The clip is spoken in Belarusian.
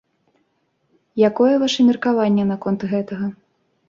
Якое ваша меркаванне наконт гэтага?